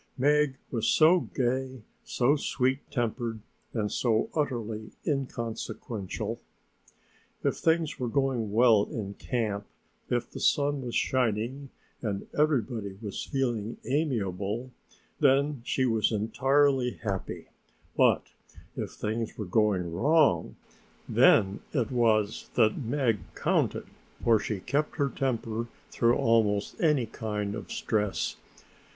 Meg was so gay, so sweet tempered and so utterly inconsequential. If things were going well in camp, if the sun was shining and everybody was feeling amiable then she was entirely happy, but if things were going wrong, then it was that Meg counted, for she kept her temper through almost any kind of stress.